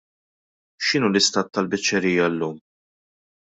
X'inhu l-istat tal-biċċerija llum?